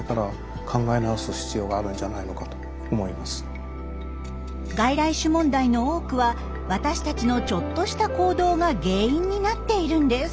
私たちはやっぱり外来種問題の多くは私たちのちょっとした行動が原因になっているんです。